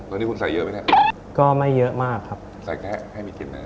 ตอนนี้คุณใส่เยอะไหมเนี่ยก็ไม่เยอะมากครับใส่แค่ให้มีกลิ่นนะ